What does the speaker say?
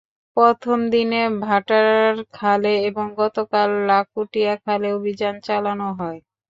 প্রথম দিনে ভাটার খালে এবং গতকাল লাকুটিয়া খালে অভিযান চালানো হয়।